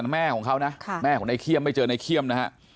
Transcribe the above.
แล้วก็ยัดลงถังสีฟ้าขนาด๒๐๐ลิตร